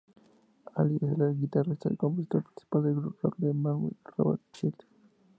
Aly es el guitarrista y compositor principal del grupo rock de Melbourne, Robot Child.